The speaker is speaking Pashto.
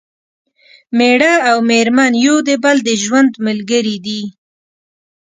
مېړه او مېرمن یو د بل د ژوند ملګري دي